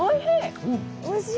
おいしい！